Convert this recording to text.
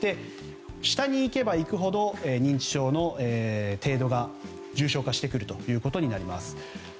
下に行けば行くほど認知症の程度が重症化してくることになります。